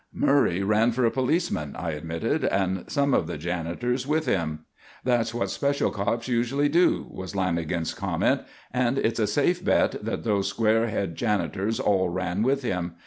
"Murray ran for a policeman," I admitted, "and some of the janitors with him." "That's what special cops usually do," was Lanagan's comment. "And it's a safe bet that those square head janitors all ran with him.